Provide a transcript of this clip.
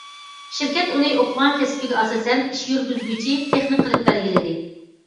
شىركەت ئۇنى ئوقۇغان كەسپىگە ئاساسەن، ئىش يۈرگۈزگۈچى تېخنىك قىلىپ بەلگىلىدى.